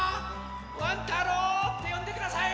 「ワン太郎」ってよんでください！